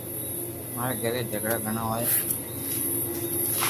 ماري گھري جھگڙا گڻا ھوئي ھي